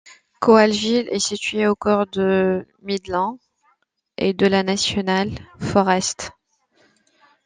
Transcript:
Coalville est située au cœur des Midlands et de la National Forest.